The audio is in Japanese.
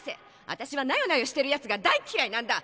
私はなよなよしてるやつが大嫌いなんだ！